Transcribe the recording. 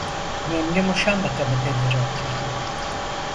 Nemli muşamba kanapelere oturdum.